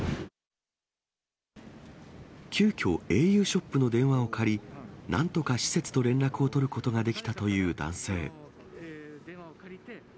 急きょ、ａｕショップの電話を借り、なんとか施設と連絡を取ることができたという男性。